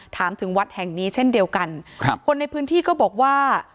ถึงวัดแห่งนี้เช่นเดียวกันครับคนในพื้นที่ก็บอกว่า